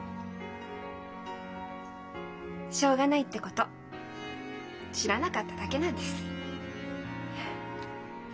しょうがないってこと知らなかっただけなんです。